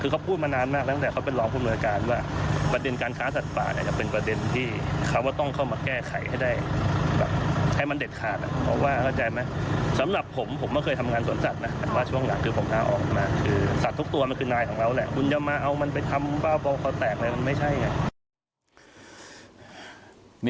คือเขาพูดมานานมากตั้งแต่เขาเป็นรองคุมนุยการ